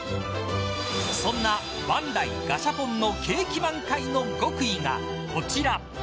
そんなバンダイガシャポンの景気満開の極意がこちら。